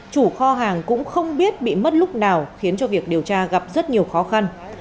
chủ kho hàng cũng không biết bị mất lúc nào khiến cho việc điều tra gặp rất nhiều khó khăn